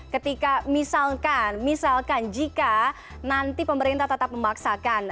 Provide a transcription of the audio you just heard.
ketika misalkan misalkan jika nanti pemerintah tetap memaksakan